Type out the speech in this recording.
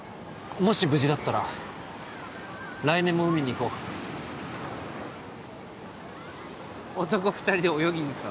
もし無事だったら来年も海に行こう男二人で泳ぎにか？